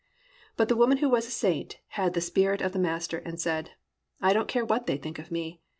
But the woman who was a saint had the Spirit of the Master and said, "I don't care what they think of me.